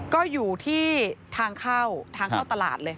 ก็อยู่ที่ทางเข้าทางเข้าตลาดเลย